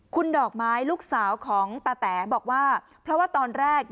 คุณดอกไม้ลูกสาวของตาแตบอกว่า